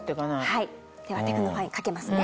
ではテクノファインかけますね。